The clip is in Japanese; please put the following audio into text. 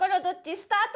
スタート！